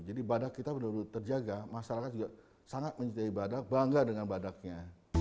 jadi badak kita benar benar terjaga masyarakat juga sangat menyayangi badak bangga dengan badaknya